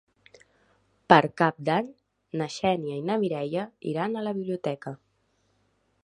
Per Cap d'Any na Xènia i na Mireia iran a la biblioteca.